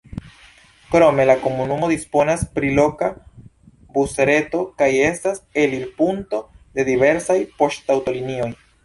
Krome la komunumo disponas pri loka busreto kaj estas elirpunkto de diversaj poŝtaŭtolinioj.